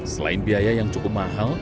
selain biaya yang cukup mahal